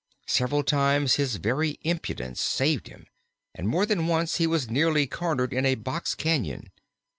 Several times his very impudence saved him, and more than once he was nearly cornered in a box cañon.